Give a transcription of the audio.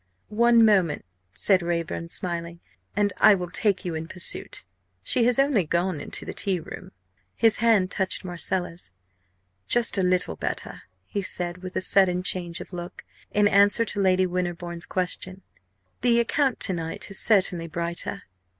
"One moment!" said Raeburn, smiling, "and I will take you in pursuit. She has only gone into the tea room." His hand touched Marcella's. "Just a little better," he said, with a sudden change of look, in answer to Lady Winterbourne's question. "The account to night is certainly brighter.